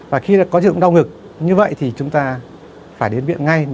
và khi có dựng đau ngực như vậy thì chúng ta phải đến viện ngay